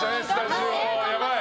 やばい。